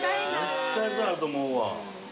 絶対そうやと思うわ。